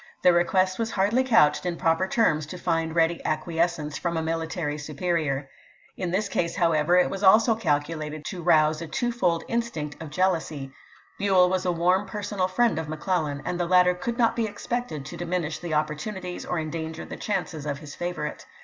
The request was hardly couched in proper terms to fi.nd ready acquiescence from a military superior. In this case, however, it was also calculated to rouse a twofold instinct of jealousy. Buell was a warm personal friend of McClellan, and the latter could not be expected to diminish the op portunities or endanger the chances of his favorite.